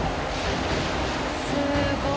すごい。